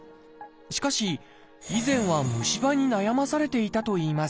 しかし以前は虫歯に悩まされていたといいます。